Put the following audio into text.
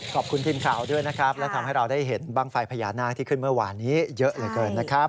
ขอบคุณทีมข่าวด้วยนะครับและทำให้เราได้เห็นบ้างไฟพญานาคที่ขึ้นเมื่อวานนี้เยอะเหลือเกินนะครับ